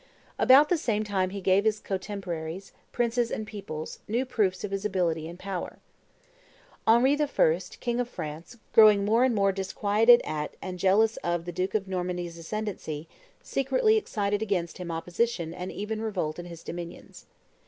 About the same time he gave his contemporaries, princes and peoples, new proofs of his ability and power. Henry I., king of France, growing more and more disquieted at and jealous of the duke of Normandy's ascendency, secretly excited against him opposition and even revolt in his dominions.